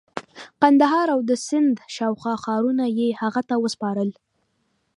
قندهار او د سند شاوخوا ښارونه یې هغه ته وسپارل.